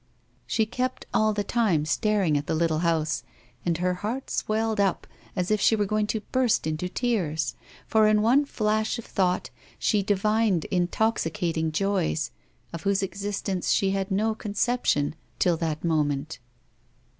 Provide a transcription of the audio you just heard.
She kept, all the time, staring at the little house; and her heart swelled up, as if she were going to burst into tears; for, in one flash of thought, she divined intoxicating joys, of whose existence she had no conception till that moment.